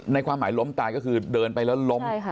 ความหมายล้มตายก็คือเดินไปแล้วล้ม